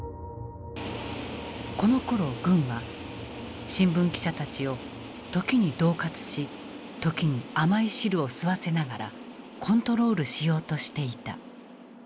このころ軍は新聞記者たちを時に恫喝し時に甘い汁を吸わせながらコントロールしようとしていた。